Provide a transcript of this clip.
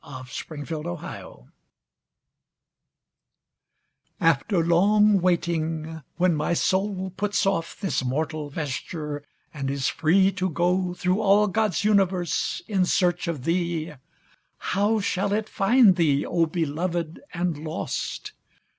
AFTER LONG WAITING After long waiting when my soul puts off This mortal vesture and is free to go Through all God's universe in search of thee, How shall it find thee, O, beloved and lost